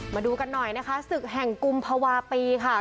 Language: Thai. มาดูกันหน่อยนะคะศึกแห่งกุมภาวะปีค่ะ